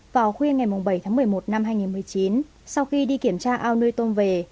vào khuya ngày bảy tháng một mươi một năm hai nghìn một mươi chín sau khi đi kiểm tra ao nuôi tôm về